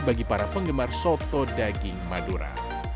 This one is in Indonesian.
bagi para penggemar soto daging madura